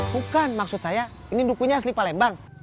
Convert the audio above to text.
bukan maksud saya ini dukunya asli palembang